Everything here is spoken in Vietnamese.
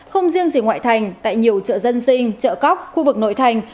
không riêng gì ngoại thành tại nhiều chợ dân sinh chợ cóc khu vực nội thành